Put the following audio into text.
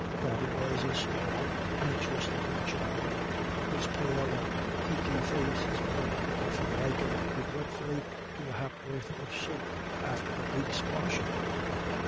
Thady was a small, anxious looking child, whose pale and peaky face his mother often likened regretfully to a hap'orth of soap after a week's washing.